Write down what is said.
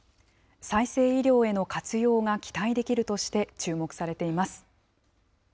再生医療への活用が期待できるとして注目されています。